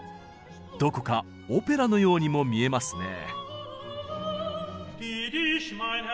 どこかオペラのようにも見えますねぇ。